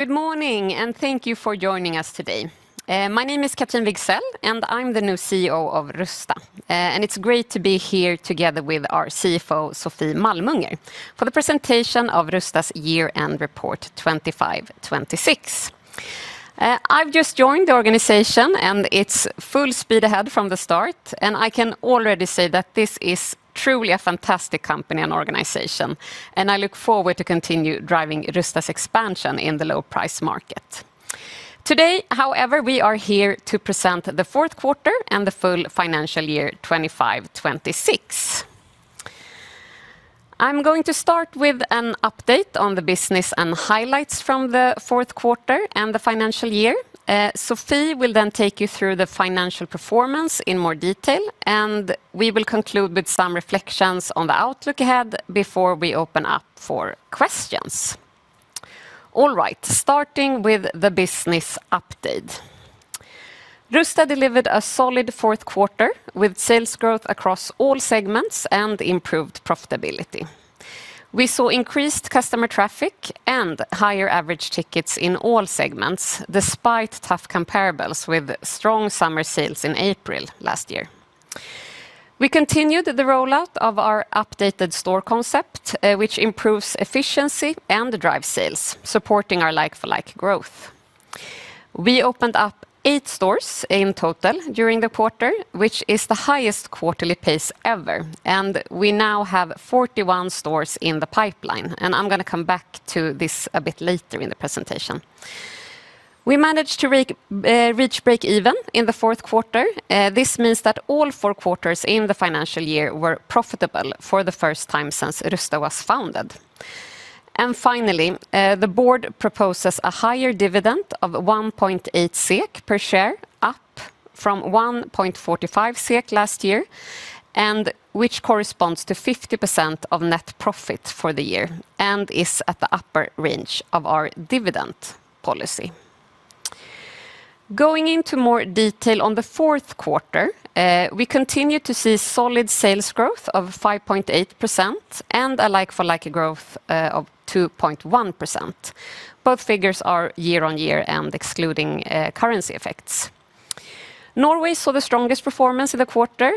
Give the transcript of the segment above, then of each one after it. Good morning, and thank you for joining us today. My name is Cathrine Wigzell, and I'm the new CEO of Rusta. It's great to be here together with our CFO, Sofie Malmunger, for the presentation of Rusta's Year End Report 2025/2026. I've just joined the organization, it's full speed ahead from the start, I can already say that this is truly a fantastic company and organization, I look forward to continue driving Rusta's expansion in the low price market. Today, however, we are here to present the fourth quarter and the full financial year 2025/2026. I'm going to start with an update on the business and highlights from the fourth quarter and the financial year. Sofie will take you through the financial performance in more detail, we will conclude with some reflections on the outlook ahead before we open up for questions. Starting with the business update. Rusta delivered a solid fourth quarter with sales growth across all segments and improved profitability. We saw increased customer traffic and higher average tickets in all segments, despite tough comparables with strong summer sales in April last year. We continued the rollout of our updated store concept, which improves efficiency and drives sales, supporting our like-for-like growth. We opened up eight stores in total during the quarter, which is the highest quarterly pace ever, we now have 41 stores in the pipeline. I'm going to come back to this a bit later in the presentation. We managed to reach break even in the fourth quarter. This means that all four quarters in the financial year were profitable for the first time since Rusta was founded. Finally, the board proposes a higher dividend of 1.8 SEK per share, up from 1.45 SEK last year, which corresponds to 50% of net profit for the year and is at the upper range of our dividend policy. Going into more detail on the fourth quarter, we continue to see solid sales growth of 5.8% and a like-for-like growth of 2.1%. Both figures are year-on-year and excluding currency effects. Norway saw the strongest performance of the quarter,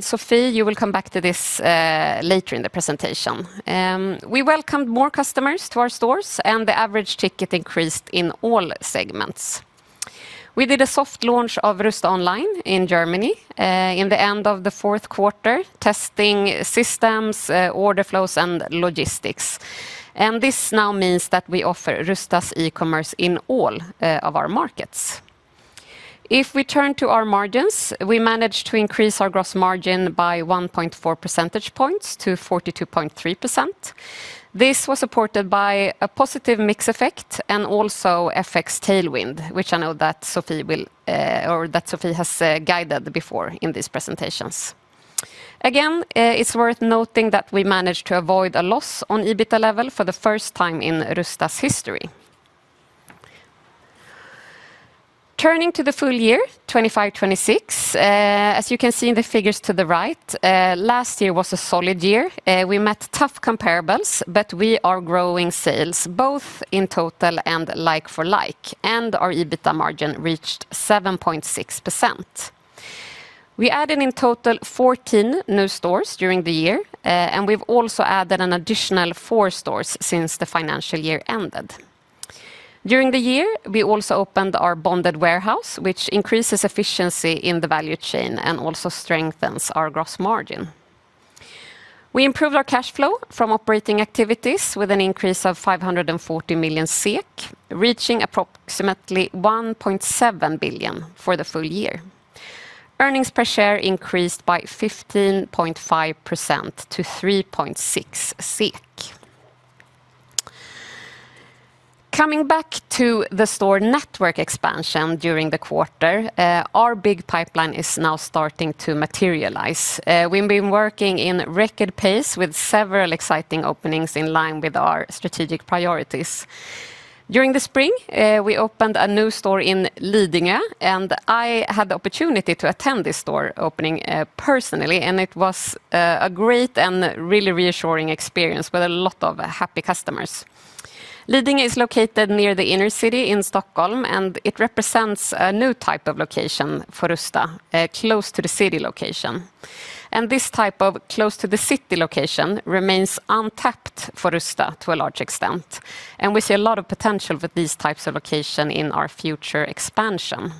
Sofie, you will come back to this later in the presentation. We welcomed more customers to our stores, the average ticket increased in all segments. We did a soft launch of Rusta Online in Germany in the end of the fourth quarter, testing systems, order flows, and logistics. This now means that we offer Rusta's e-commerce in all of our markets. If we turn to our margins, we managed to increase our gross margin by 1.4 percentage points to 42.3%. This was supported by a positive mix effect and also effects tailwind, which I know that Sofie has guided before in these presentations. Again, it's worth noting that we managed to avoid a loss on EBITA level for the first time in Rusta's history. Turning to the full year, 2025/2026. As you can see in the figures to the right, last year was a solid year. We met tough comparables, we are growing sales both in total and like-for-like, our EBITA margin reached 7.6%. We added in total 14 new stores during the year, we've also added an additional four stores since the financial year ended. During the year, we also opened our bonded warehouse, which increases efficiency in the value chain and also strengthens our gross margin. We improved our cash flow from operating activities with an increase of 540 million SEK, reaching approximately 1.7 billion for the full- year. Earnings per share increased by 15.5% to 3.6 SEK. Coming back to the store network expansion during the quarter, our big pipeline is now starting to materialize. We've been working in record pace with several exciting openings in line with our strategic priorities. During the spring, we opened a new store in Lidingö, and I had the opportunity to attend this store opening personally, and it was a great and really reassuring experience with a lot of happy customers. Lidingö is located near the inner city in Stockholm, and it represents a new type of location for Rusta, close to the city location. This type of close to the city location remains untapped for Rusta to a large extent, and we see a lot of potential for these types of location in our future expansion.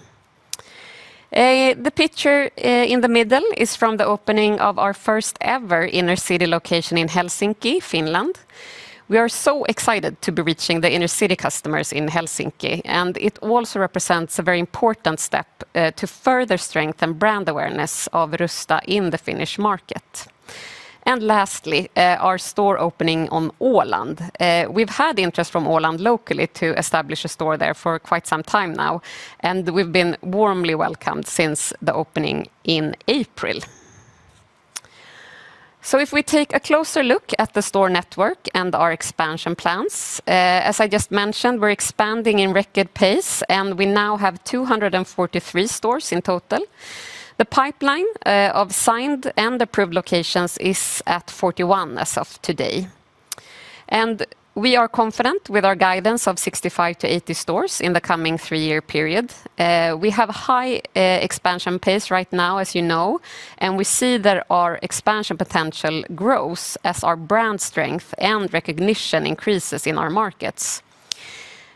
The picture in the middle is from the opening of our first ever inner city location in Helsinki, Finland. We are so excited to be reaching the inner city customers in Helsinki, and it also represents a very important step to further strengthen brand awareness of Rusta in the Finnish market. Lastly, our store opening on Åland. We've had interest from Åland locally to establish a store there for quite some time now, and we've been warmly welcomed since the opening in April. If we take a closer look at the store network and our expansion plans, as I just mentioned, we're expanding in record pace, and we now have 243 stores in total. The pipeline of signed and approved locations is at 41 as of today. We are confident with our guidance of 65 to 80 stores in the coming three-year period. We have high expansion pace right now, as you know, and we see that our expansion potential grows as our brand strength and recognition increases in our markets.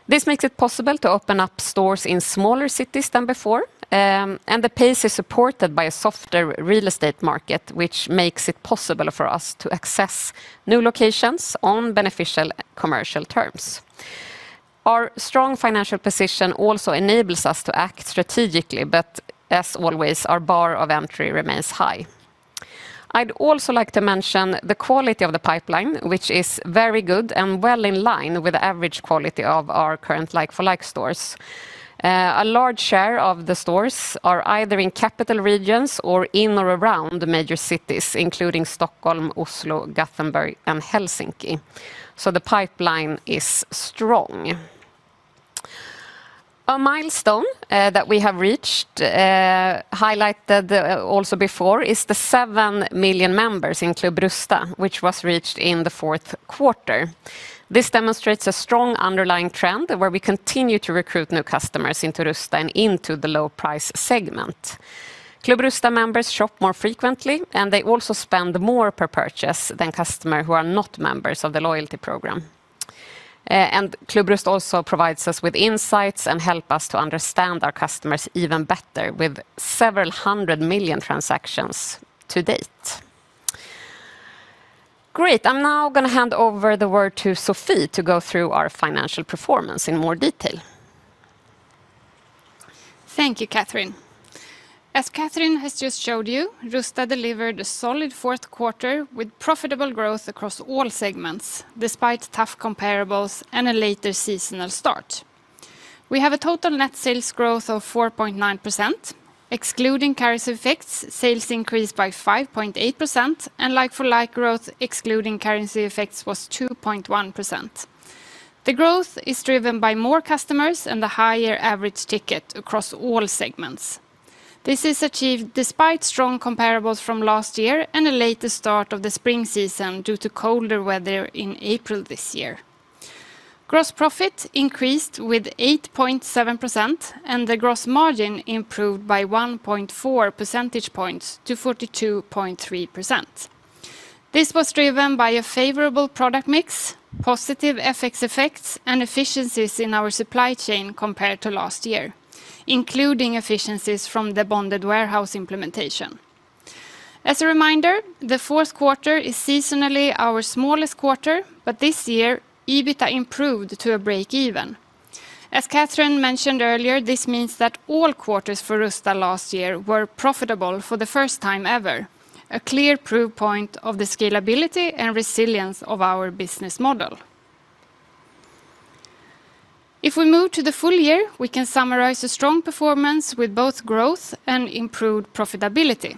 This makes it possible to open up stores in smaller cities than before, and the pace is supported by a softer real estate market, which makes it possible for us to access new locations on beneficial commercial terms. Our strong financial position also enables us to act strategically, but as always, our bar of entry remains high. I'd also like to mention the quality of the pipeline, which is very good and well in line with the average quality of our current like-for-like stores. A large share of the stores are either in capital regions or in or around the major cities, including Stockholm, Oslo, Gothenburg, and Helsinki. The pipeline is strong. A milestone that we have reached, highlighted also before, is the 7 million members in Club Rusta, which was reached in the fourth quarter. This demonstrates a strong underlying trend where we continue to recruit new customers into Rusta and into the low price segment. Club Rusta members shop more frequently, and they also spend more per purchase than customer who are not members of the loyalty program. Club Rusta also provides us with insights and help us to understand our customers even better with several hundred million transactions to date. Great. I'm now going to hand over the word to Sofie to go through our financial performance in more detail. Thank you, Cathrine. As Cathrine has just showed you, Rusta delivered a solid fourth quarter with profitable growth across all segments, despite tough comparables and a later seasonal start. We have a total net sales growth of 4.9%, excluding currency effects, sales increased by 5.8%, and like-for-like growth excluding currency effects was 2.1%. The growth is driven by more customers and a higher average ticket across all segments. This is achieved despite strong comparables from last year and a later start of the spring season due to colder weather in April this year. Gross profit increased with 8.7% and the gross margin improved by 1.4 percentage points to 42.3%. This was driven by a favorable product mix, positive FX effects, and efficiencies in our supply chain compared to last year, including efficiencies from the bonded warehouse implementation. As a reminder, the fourth quarter is seasonally our smallest quarter, but this year, EBITDA improved to a break even. As Cathrine mentioned earlier, this means that all quarters for Rusta last year were profitable for the first time ever, a clear proof point of the scalability and resilience of our business model. If we move to the full year, we can summarize a strong performance with both growth and improved profitability.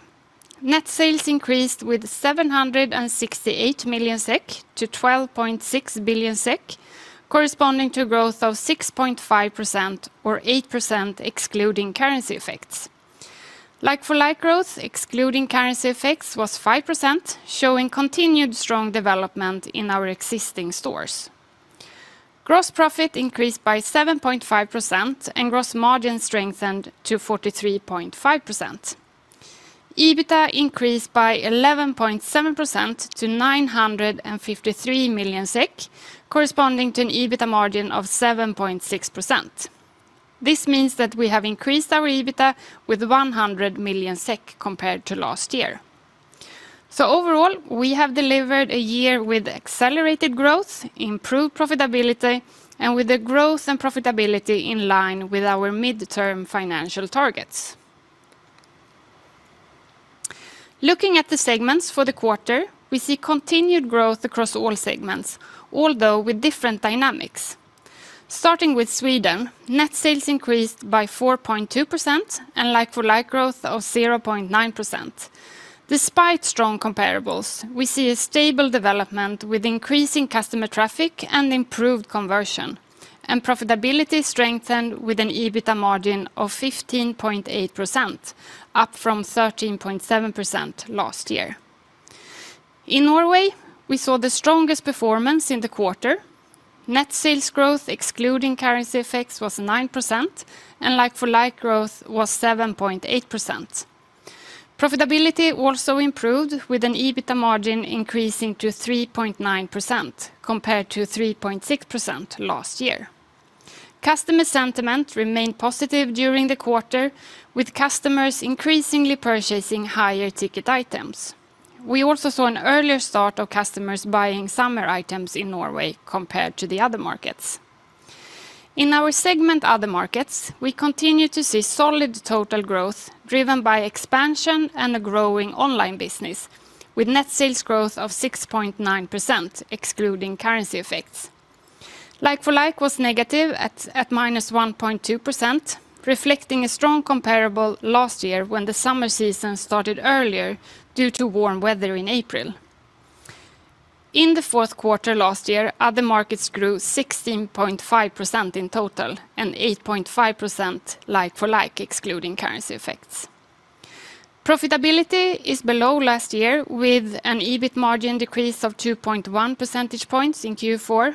Net sales increased with 768 million SEK to 12.6 billion SEK, corresponding to growth of 6.5% or 8% excluding currency effects. like-for-like growth excluding currency effects was 5%, showing continued strong development in our existing stores. Gross profit increased by 7.5% and gross margin strengthened to 43.5%. EBITDA increased by 11.7% to 953 million SEK, corresponding to an EBITDA margin of 7.6%. This means that we have increased our EBITDA with 100 million SEK compared to last year. Overall, we have delivered a year with accelerated growth, improved profitability, and with the growth and profitability in line with our mid-term financial targets. Looking at the segments for the quarter, we see continued growth across all segments, although with different dynamics. Starting with Sweden, net sales increased by 4.2% and like-for-like growth of 0.9%. Despite strong comparables, we see a stable development with increasing customer traffic and improved conversion, and profitability strengthened with an EBITDA margin of 15.8%, up from 13.7% last year. In Norway, we saw the strongest performance in the quarter. Net sales growth excluding currency effects was 9%, and like-for-like growth was 7.8%. Profitability also improved with an EBITDA margin increasing to 3.9% compared to 3.6% last year. Customer sentiment remained positive during the quarter, with customers increasingly purchasing higher ticket items. We also saw an earlier start of customers buying summer items in Norway compared to the other markets. In our segment other markets, we continue to see solid total growth driven by expansion and a growing online business with net sales growth of 6.9%, excluding currency effects. Like-for-like was negative at -1.2%, reflecting a strong comparable last year when the summer season started earlier due to warm weather in April. In the fourth quarter last year, other markets grew 16.5% in total and 8.5% like-for-like excluding currency effects. Profitability is below last year with an EBIT margin decrease of 2.1 percentage points in Q4.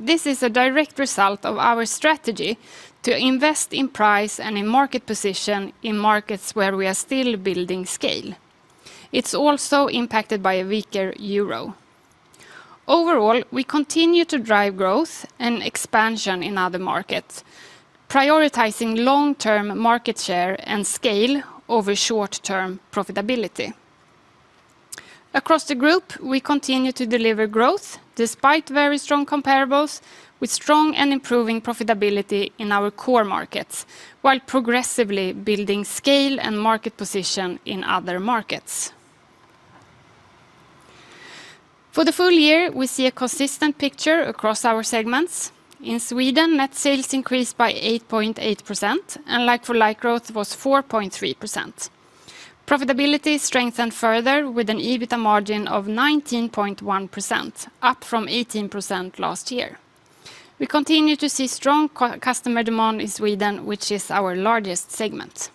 This is a direct result of our strategy to invest in price and in market position in markets where we are still building scale. It's also impacted by a weaker EUR. Overall, we continue to drive growth and expansion in other markets, prioritizing long-term market share and scale over short-term profitability. Across the group, we continue to deliver growth despite very strong comparables with strong and improving profitability in our core markets, while progressively building scale and market position in other markets. For the full- year, we see a consistent picture across our segments. In Sweden, net sales increased by 8.8%, and like-for-like growth was 4.3%. Profitability strengthened further with an EBITA margin of 19.1%, up from 18% last year. We continue to see strong customer demand in Sweden, which is our largest segment.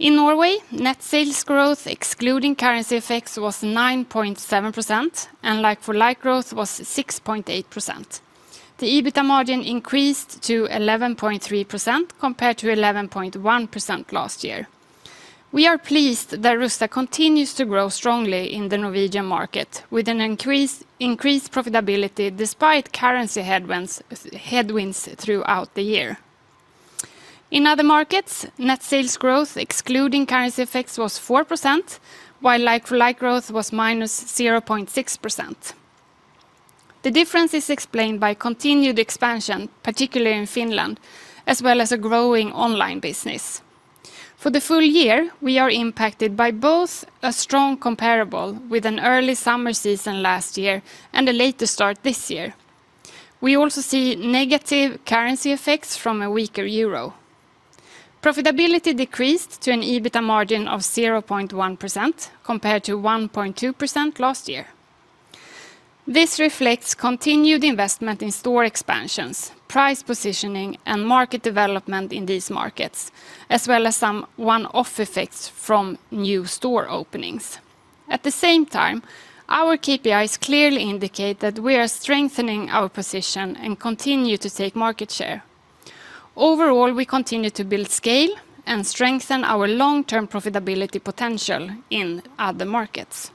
In Norway, net sales growth, excluding currency effects, was 9.7%, and like-for-like growth was 6.8%. The EBITA margin increased to 11.3% compared to 11.1% last year. We are pleased that Rusta continues to grow strongly in the Norwegian market with an increased profitability despite currency headwinds throughout the year. In other markets, net sales growth, excluding currency effects, was 4%, while like-for-like growth was minus 0.6%. The difference is explained by continued expansion, particularly in Finland, as well as a growing online business. For the full- year, we are impacted by both a strong comparable with an early summer season last year and a later start this year. We also see negative currency effects from a weaker EUR. Profitability decreased to an EBITA margin of 0.1% compared to 1.2% last year. This reflects continued investment in store expansions, price positioning, and market development in these markets, as well as some one-off effects from new store openings. At the same time, our KPIs clearly indicate that we are strengthening our position and continue to take market share. Overall, we continue to build scale and strengthen our long-term profitability potential in other markets.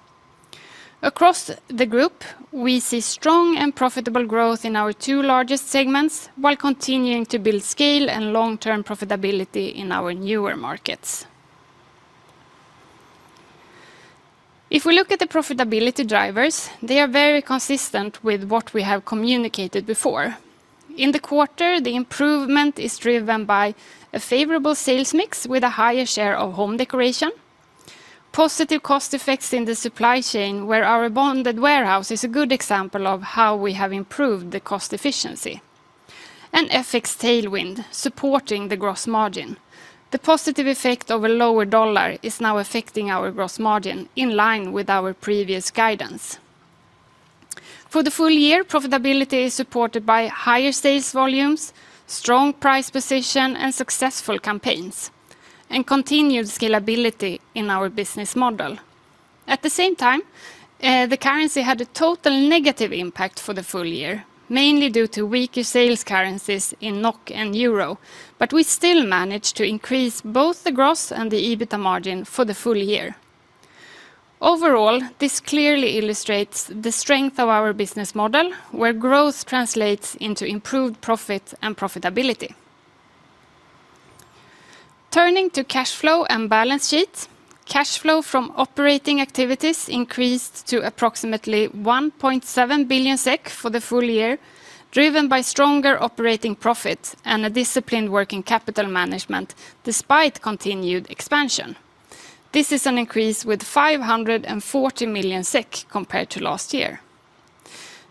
Across the group, we see strong and profitable growth in our two largest segments while continuing to build scale and long-term profitability in our newer markets. If we look at the profitability drivers, they are very consistent with what we have communicated before. In the quarter, the improvement is driven by a favorable sales mix with a higher share of home decoration, positive cost effects in the supply chain, where our bonded warehouse is a good example of how we have improved the cost efficiency, and FX tailwind supporting the gross margin. The positive effect of a lower U.S. dollar is now affecting our gross margin in line with our previous guidance. For the full- year, profitability is supported by higher sales volumes, strong price position, and successful campaigns, and continued scalability in our business model. At the same time, the currency had a total negative impact for the full- year, mainly due to weaker sales currencies in NOK and EUR. We still managed to increase both the gross and the EBITA margin for the full year. Overall, this clearly illustrates the strength of our business model, where growth translates into improved profit and profitability. Turning to cash flow and balance sheet, cash flow from operating activities increased to approximately 1.7 billion SEK for the full -year, driven by stronger operating profit and a disciplined working capital management despite continued expansion. This is an increase with 540 million SEK compared to last year.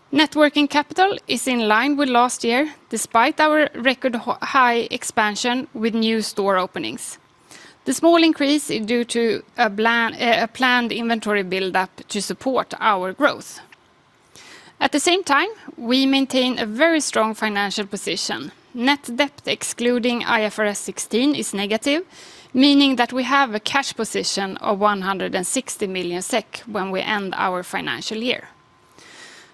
Net working capital is in line with last year, despite our record high expansion with new store openings. The small increase is due to a planned inventory buildup to support our growth. At the same time, we maintain a very strong financial position. Net debt excluding IFRS 16 is negative, meaning that we have a cash position of 160 million SEK when we end our financial year.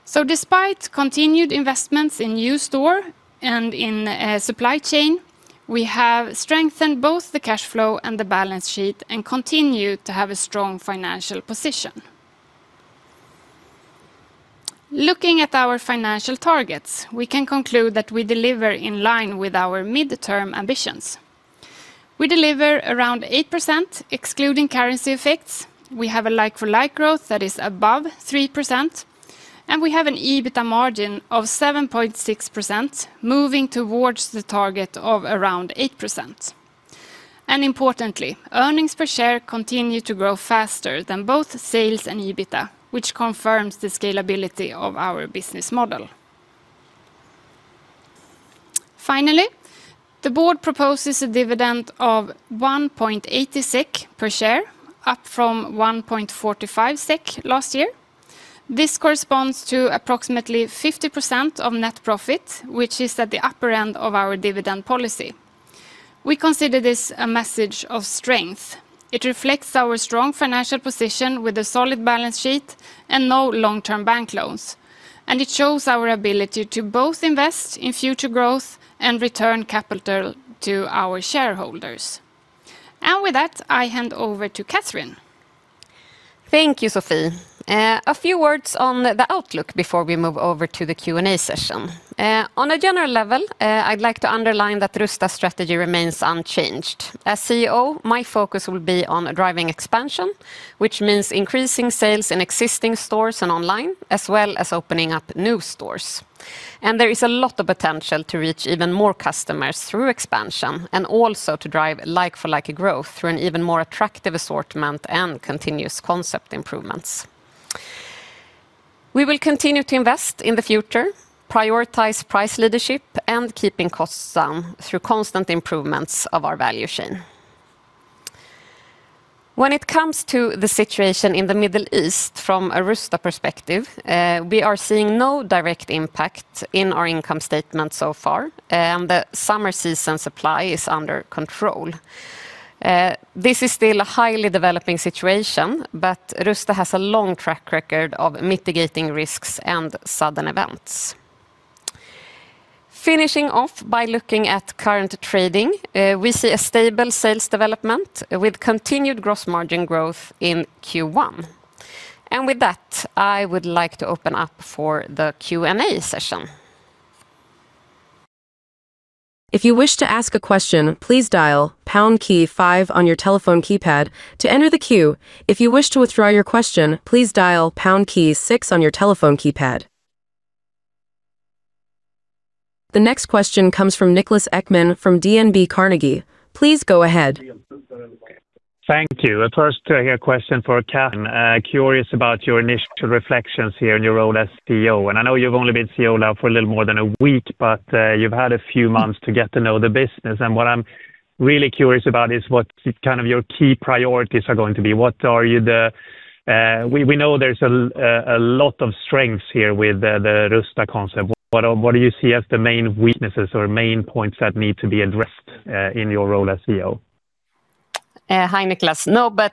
Despite continued investments in new store and in supply chain, we have strengthened both the cash flow and the balance sheet and continue to have a strong financial position. Looking at our financial targets, we can conclude that we deliver in line with our mid-term ambitions. We deliver around 8%, excluding currency effects. We have a like-for-like growth that is above 3%, and we have an EBITA margin of 7.6%, moving towards the target of around 8%. Importantly, earnings per share continue to grow faster than both sales and EBITA, which confirms the scalability of our business model. Finally, the board proposes a dividend of 1.80 SEK per share, up from 1.45 SEK last year. This corresponds to approximately 50% of net profit, which is at the upper end of our dividend policy. We consider this a message of strength. It reflects our strong financial position with a solid balance sheet and no long-term bank loans, and it shows our ability to both invest in future growth and return capital to our shareholders. With that, I hand over to Cathrine. Thank you, Sofie. A few words on the outlook before we move over to the Q&A session. On a general level, I'd like to underline that Rusta's strategy remains unchanged. As CEO, my focus will be on driving expansion, which means increasing sales in existing stores and online, as well as opening up new stores. There is a lot of potential to reach even more customers through expansion and also to drive like-for-like growth through an even more attractive assortment and continuous concept improvements. We will continue to invest in the future, prioritize price leadership, and keeping costs down through constant improvements of our value chain. When it comes to the situation in the Middle East from a Rusta perspective, we are seeing no direct impact in our income statement so far, and the summer season supply is under control. This is still a highly developing situation, Rusta has a long track record of mitigating risks and sudden events. Finishing off by looking at current trading, we see a stable sales development with continued gross margin growth in Q1. With that, I would like to open up for the Q&A session. If you wish to ask a question, please dial pound key five on your telephone keypad to enter the queue. If you wish to withdraw your question, please dial pound key six on your telephone keypad. The next question comes from Niklas Ekman from DNB Carnegie. Please go ahead. Thank you. First, I have a question for Cat. Curious about your initial reflections here in your role as CEO. I know you've only been CEO now for a little more than a week, you've had a few months to get to know the business. What I'm really curious about is what your key priorities are going to be. We know there's a lot of strengths here with the Rusta concept. What do you see as the main weaknesses or main points that need to be addressed in your role as CEO? Hi, Niklas.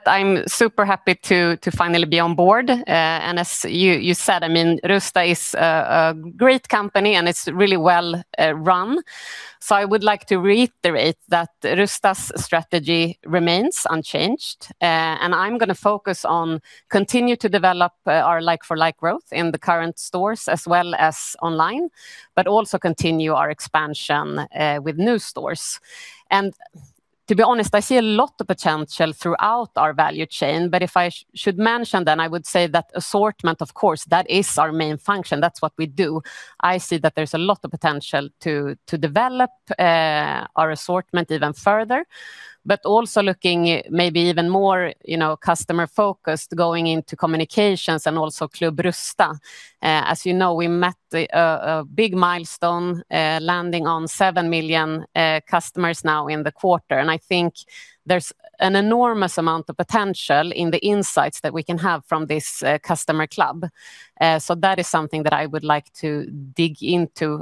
I'm super happy to finally be on board. As you said, Rusta is a great company, it's really well run. I would like to reiterate that Rusta's strategy remains unchanged, I'm going to focus on continuing to develop our like-for-like growth in the current stores as well as Rusta Online, also continue our expansion with new stores. To be honest, I see a lot of potential throughout our value chain. If I should mention, I would say that assortment, of course, that is our main function. That's what we do. I see that there's a lot of potential to develop our assortment even further, also looking maybe even more customer-focused, going into communications and also Club Rusta. As you know, we met a big milestone landing on 7 million customers now in the quarter, and I think there's an enormous amount of potential in the insights that we can have from this customer club. That is something that I would like to dig into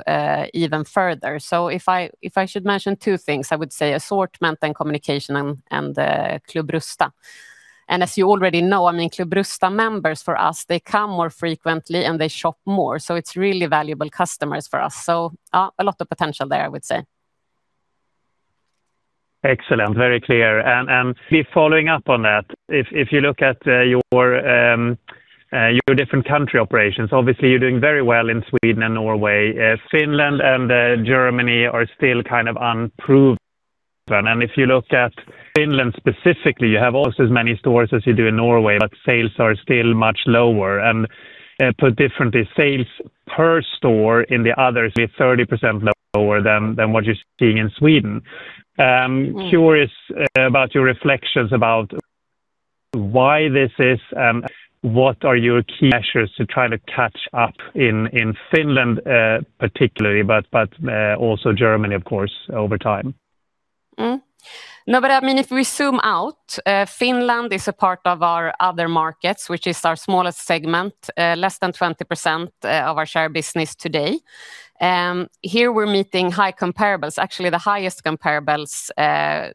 even further. If I should mention two things, I would say assortment and communication and Club Rusta. As you already know, Club Rusta members for us, they come more frequently, and they shop more. It's really valuable customers for us. A lot of potential there, I would say. Excellent. Very clear. Following up on that, if you look at your different country operations, obviously you're doing very well in Sweden and Norway. Finland and Germany are still unproven. If you look at Finland specifically, you have almost as many stores as you do in Norway, but sales are still much lower and put differently, sales per store in the others with 30% lower than what you're seeing in Sweden. Curious about your reflections about why this is and what are your key measures to try to catch up in Finland particularly, but also Germany, of course, over time? If we zoom out, Finland is a part of our other markets, which is our smallest segment, less than 20% of our share business today. Here we're meeting high comparables, actually the highest comparables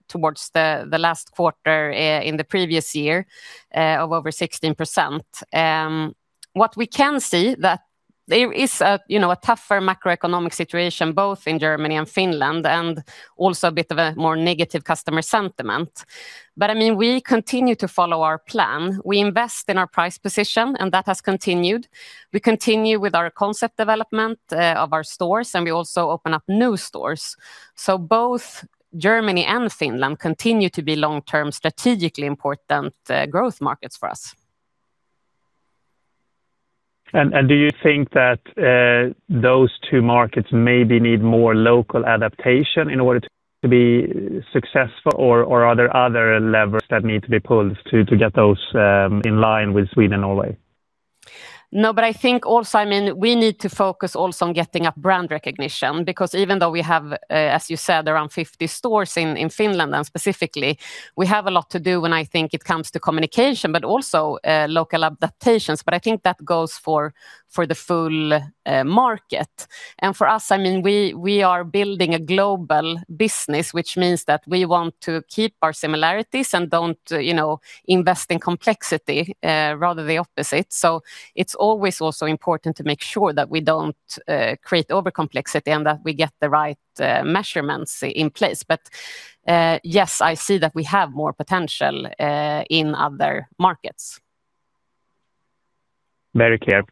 towards the last quarter in the previous year of over 16%. What we can see that there is a tougher macroeconomic situation both in Germany and Finland and also a bit of a more negative customer sentiment. We continue to follow our plan. We invest in our price position, and that has continued. We continue with our concept development of our stores, and we also open up new stores. Both Germany and Finland continue to be long-term strategically important growth markets for us. Do you think that those two markets maybe need more local adaptation in order to be successful? Or are there other levers that need to be pulled to get those in line with Sweden and Norway? I think also we need to focus also on getting a brand recognition, because even though we have, as you said, around 50 stores in Finland specifically, we have a lot to do when it comes to communication, but also local adaptations. I think that goes for the full market. For us, we are building a global business, which means that we want to keep our similarities and don't invest in complexity, rather the opposite. It's always also important to make sure that we don't create overcomplexity and that we get the right measurements in place. Yes, I see that we have more potential in other markets. Very clear.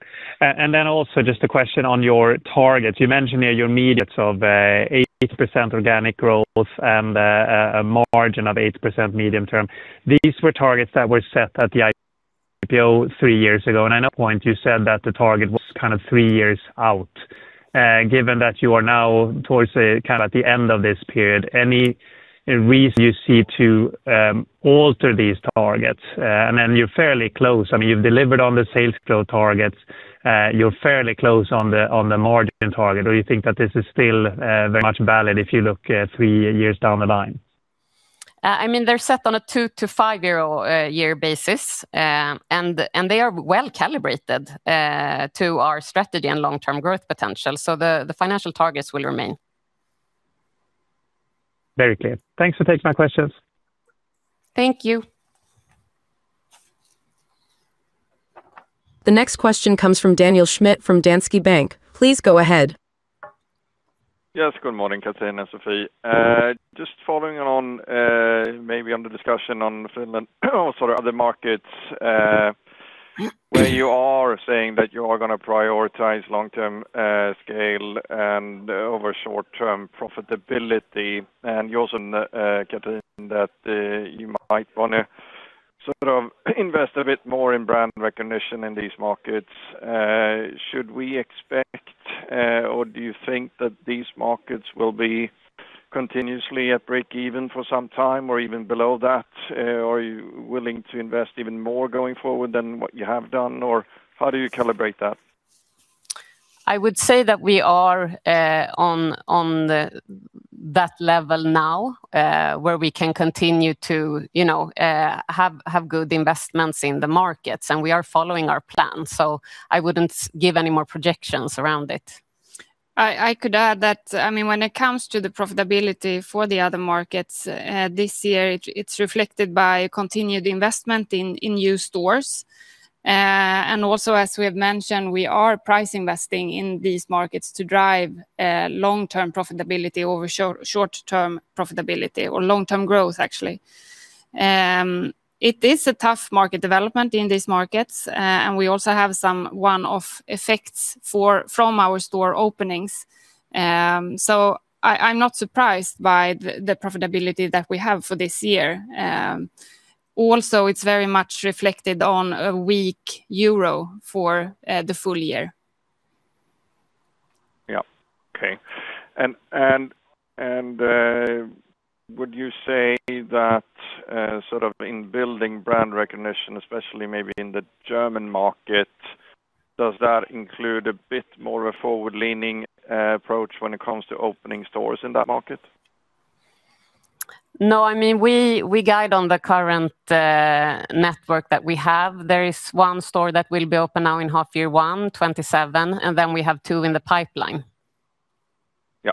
Also just a question on your targets. You mentioned there your mid-term targets of 80% organic growth and a margin of 8% medium -term. These were targets that were set at the IPO three years ago. At that point, you said that the target was three years out. Given that you are now at the end of this period, any reason you see to alter these targets? You're fairly close. You've delivered on the sales growth targets. You're fairly close on the margin target. You think that this is still very much valid if you look three years down the line? They're set on a two to five year basis, they are well calibrated to our strategy and long- term growth potential. The financial targets will remain. Very clear. Thanks for taking my questions. Thank you. The next question comes from Daniel Schmidt, from Danske Bank. Please go ahead. Yes. Good morning, Cathrine and Sofie. Following on maybe on the discussion on Finland or other markets where you are saying that you are going to prioritize long-term scale over short-term profitability. You also mentioned, Cathrine, that you might want to invest a bit more in brand recognition in these markets. Should we expect or do you think that these markets will be continuously at break-even for some time or even below that? Are you willing to invest even more going forward than what you have done, or how do you calibrate that? I would say that we are on that level now where we can continue to have good investments in the markets. We are following our plan. I wouldn't give any more projections around it. I could add that when it comes to the profitability for the other markets this year, it's reflected by continued investment in new stores. As we have mentioned, we are price investing in these markets to drive long-term profitability over short-term profitability or long-term growth, actually. It is a tough market development in these markets. We also have some one-off effects from our store openings. I'm not surprised by the profitability that we have for this year. It's very much reflected on a weak EUR for the full year. Yeah. Okay. Would you say that in building brand recognition, especially maybe in the German market, does that include a bit more of a forward-leaning approach when it comes to opening stores in that market? No, we guide on the current network that we have. There is one store that will be open now in half-year one, 2027. We have two in the pipeline. Yeah.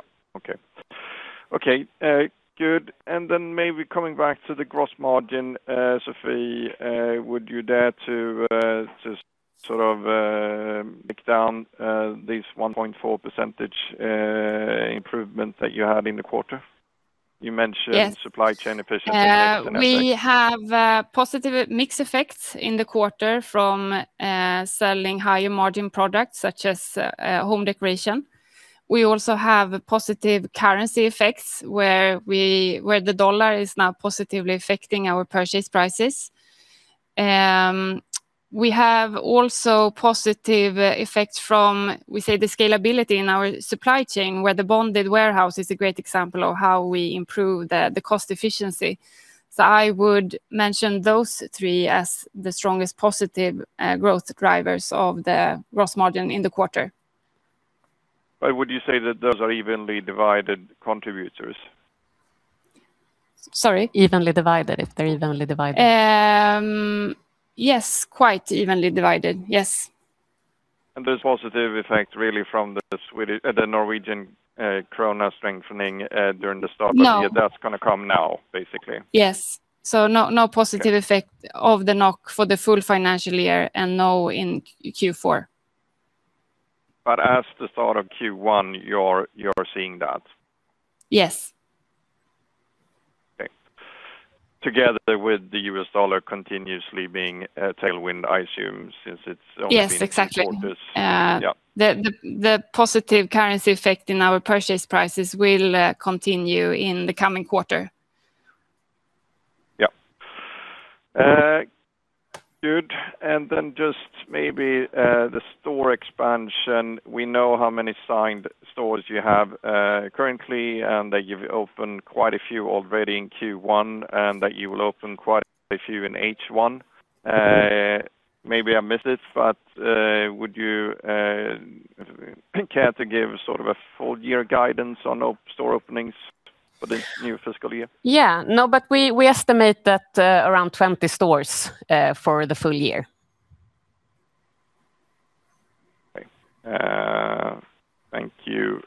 Okay. Good. Maybe coming back to the gross margin, Sofie, would you dare to just break down this 1.4% improvement that you had in the quarter? Yes supply chain efficiency and mix and effects. We have positive mix effects in the quarter from selling higher margin products such as home decoration. We also have positive currency effects where the dollar is now positively affecting our purchase prices. We have also positive effects from, we say the scalability in our supply chain, where the bonded warehouse is a great example of how we improve the cost efficiency. I would mention those three as the strongest positive growth drivers of the gross margin in the quarter. Would you say that those are evenly divided contributors? Sorry? Evenly divided. If they're evenly divided. Yes, quite evenly divided. Yes. There's positive effect really from the NOK strengthening during the start of the year. No. That's going to come now, basically. Yes. No positive effect of the NOK for the full financial year and no in Q4. As the start of Q1, you're seeing that? Yes. Okay. Together with the US dollar continuously being a tailwind, I assume, since it's only been in quarters. Yes, exactly. Yeah. The positive currency effect in our purchase prices will continue in the coming quarter. Good. Just maybe the store expansion. We know how many signed stores you have currently, and that you've opened quite a few already in Q1, and that you will open quite a few in H1. Maybe I missed it, would you Can't give a full- year guidance on store openings for this new fiscal year? Yeah. No, we estimate that around 20 stores for the full -year. Okay. Thank you.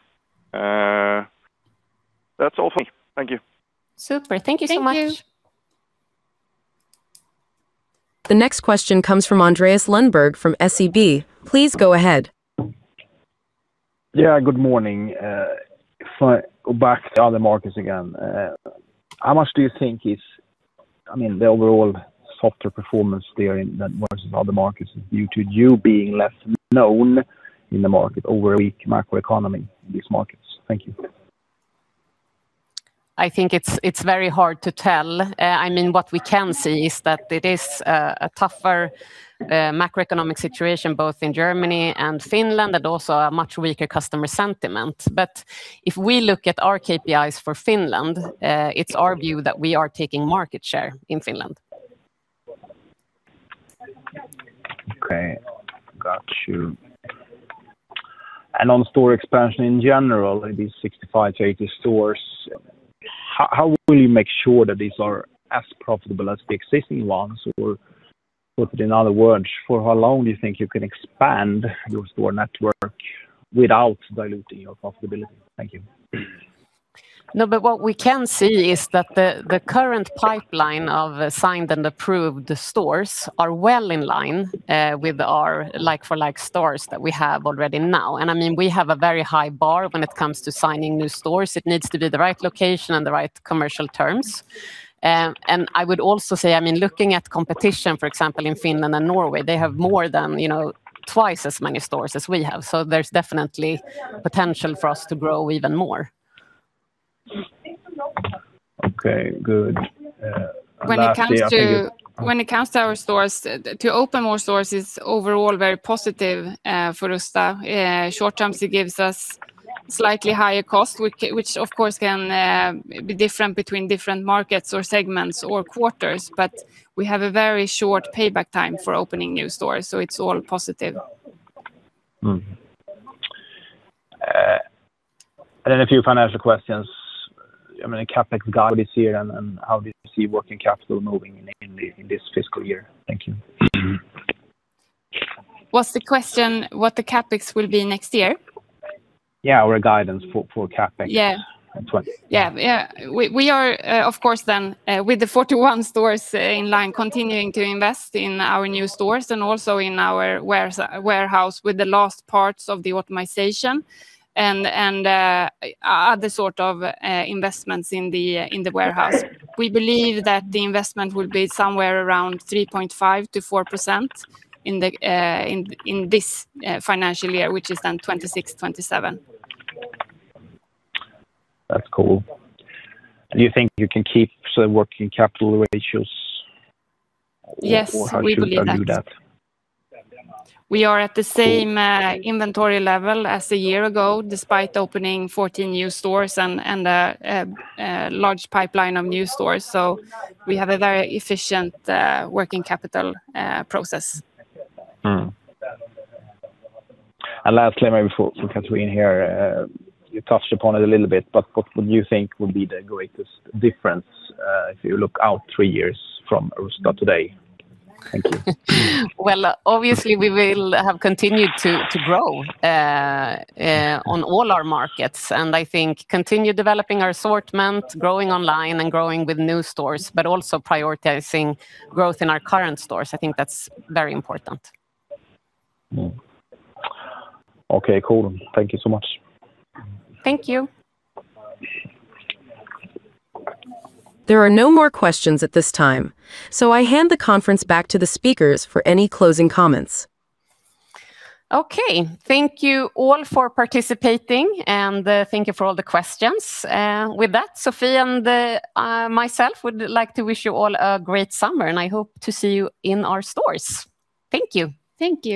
That's all for me. Thank you. Super. Thank you so much. Thank you. The next question comes from Andreas Lundberg from SEB. Please go ahead. Yeah, good morning. If I go back to other markets again, how much do you think is the overall softer performance there in versus other markets due to you being less known in the market or weak macroeconomy in these markets? Thank you. I think it's very hard to tell. What we can see is that it is a tougher macroeconomic situation, both in Germany and Finland, and also a much weaker customer sentiment. If we look at our KPIs for Finland, it's our view that we are taking market share in Finland. Okay. Got you. On store expansion in general, these 65 to 80 stores, how will you make sure that these are as profitable as the existing ones? Put it in other words, for how long you think you can expand your store network without diluting your profitability? Thank you. What we can see is that the current pipeline of signed and approved stores are well in line with our like-for-like stores that we have already now. We have a very high bar when it comes to signing new stores. It needs to be the right location and the right commercial terms. I would also say, looking at competition, for example, in Finland and Norway, they have more than twice as many stores as we have. There's definitely potential for us to grow even more. Okay, good. When it comes to our stores, to open more stores is overall very positive for Rusta. Short- term, it gives us slightly higher cost, which of course can be different between different markets or segments or quarters. We have a very short payback time for opening new stores, so it's all positive. A few financial questions. CapEx guidance here and how do you see working capital moving in this fiscal year? Thank you. Was the question what the CapEx will be next year? Yeah. A guidance for CapEx. Yeah. 2023. We are of course, with the 41 stores in line, continuing to invest in our new stores and also in our warehouse with the last parts of the optimization and other sort of investments in the warehouse. We believe that the investment will be somewhere around 3.5%-4% in this financial year, which is 2026, 2027. That's cool. You think you can keep the working capital ratios? Yes, we believe that. How should we view that? We are at the same inventory level as a year ago, despite opening 14 new stores and a large pipeline of new stores. We have a very efficient working capital process. Lastly, maybe for Cathrine here, you touched upon it a little bit, but what do you think will be the greatest difference if you look out three years from Rusta today? Thank you. Well, obviously, we will have continued to grow on all our markets and I think continue developing our assortment, growing online and growing with new stores, but also prioritizing growth in our current stores. I think that's very important. Okay, cool. Thank you so much. Thank you. There are no more questions at this time, so I hand the conference back to the speakers for any closing comments. Thank you all for participating, and thank you for all the questions. With that, Sofie and myself would like to wish you all a great summer, and I hope to see you in our stores. Thank you. Thank you.